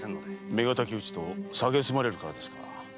妻敵討ちと蔑まれるからですか？